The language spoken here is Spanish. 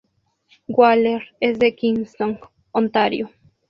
Waller es de Kingston, Ontario.